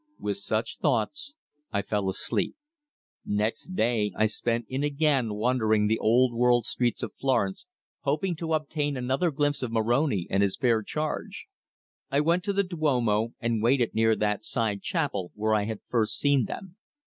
With such thoughts I fell asleep. Next day I spent in again wandering the old world streets of Florence, hoping to obtain another glimpse of Moroni and his fair charge. I went to the Duomo and waited near that side chapel where I had first seen them.